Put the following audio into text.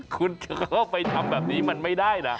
คุณจะเข้าไปทำแบบนี้มันไม่ได้นะ